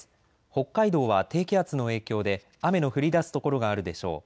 北海道は低気圧の影響で雨の降りだす所があるでしょう。